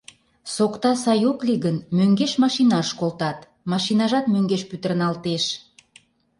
Сокта сай ок лий гын, мӧҥгеш машинаш колтат, машинажат мӧҥгеш пӱтырналтеш.